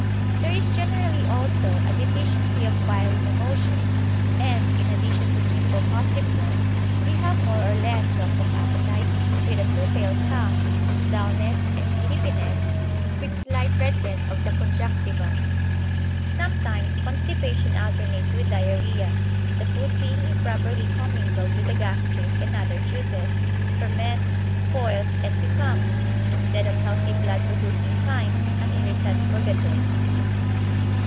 There is generally also a deficiency of bile in the motions, and, in addition to simple costiveness, we have more or less loss of appetite, with a too pale tongue, dullness, and sleepiness, with slight redness of the conjunctiva. Sometimes constipation alternates with diarrhoea, the food being improperly commingled with the gastric and other juices, ferments, spoils, and becomes, instead of healthy blood producing chyme, an irritant purgative.